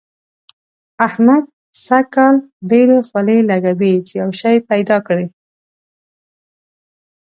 احمد سږ کال ډېرې خولې لګوي چي يو شی پيدا کړي.